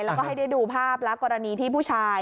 แล้วก็ให้ได้ดูภาพและกรณีที่ผู้ชาย